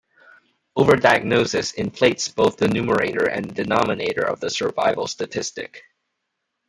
Overdiagnosis inflates both the numerator and denominator of the survival statistic.